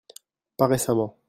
Pas récemment.